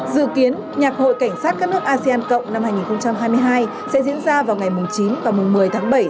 dự kiến nhạc hội cảnh sát các nước asean cộng năm hai nghìn hai mươi hai sẽ diễn ra vào ngày chín và một mươi tháng bảy